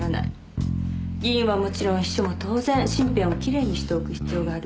議員はもちろん秘書も当然身辺をきれいにしておく必要がある。